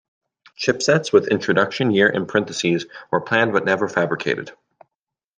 Chipsets with introduction year in parenthesis were planned but never fabricated.